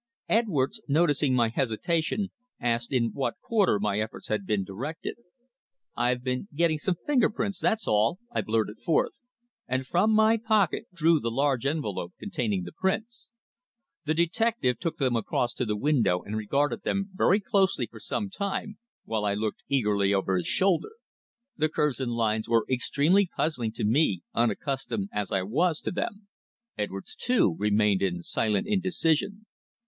Edwards, noticing my hesitation, asked in what quarter my efforts had been directed. "I've been getting some finger prints, that's all," I blurted forth, and from my pocket drew the large envelope containing the prints. The detective took them across to the window and regarded them very closely for some time, while I looked eagerly over his shoulder. The curves and lines were extremely puzzling to me, unaccustomed as I was to them. Edwards, too, remained in silent indecision.